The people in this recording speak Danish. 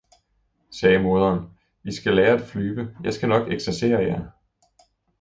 sagde moderen, I skal lære at flyve, jeg skal nok eksercere jer!